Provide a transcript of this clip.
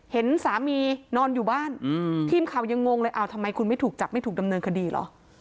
เห็นสามีนอนอยู่บ้านทีมข่าวยังงงเลยอ้าวทำไมคุณไม่ถูกจับไม่ถูกดำเนินคดีเหรอ